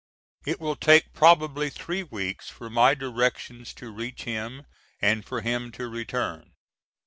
It will take probably three weeks for my directions to reach him and for him to return.